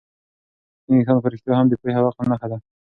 سپین ویښتان په رښتیا هم د پوهې او عقل نښه ده.